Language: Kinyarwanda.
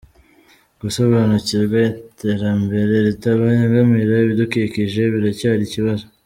Gusobanukirwa iterambere ritabangamira ibidukikije biracyari ikibazo